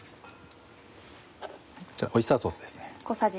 オイスターソースですね。